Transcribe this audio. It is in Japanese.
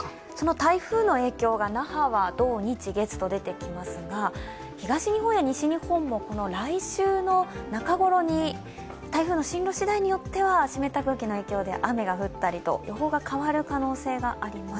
台風の影響が、那覇は土、日、月と出てきますが東日本や西日本も来週の中ごろに台風の進路しだいによっては湿った空気の影響で雨が降ったり予報が変わる可能性があります。